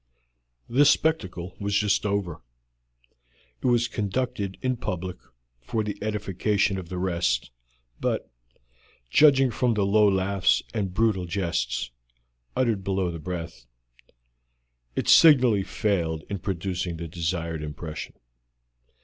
This spectacle was just over: it was conducted in public for the edification of the rest, but, judging from the low laughs and brutal jests, uttered below the breath, it signally failed in producing the desired impression.